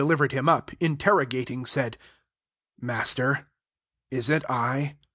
«r 4flilivered him upy interrogating^ said, <* Master, is it I ?"